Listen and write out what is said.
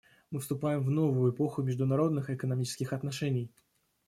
Мы вступаем в новую эпоху международных экономических отношений.